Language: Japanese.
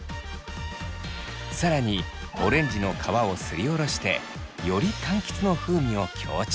更にオレンジの皮をすりおろしてよりかんきつの風味を強調。